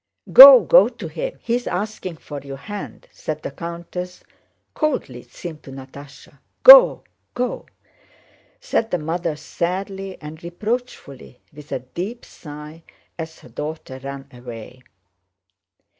"Go, go to him. He is asking for your hand," said the countess, coldly it seemed to Natásha. "Go... go," said the mother, sadly and reproachfully, with a deep sigh, as her daughter ran away.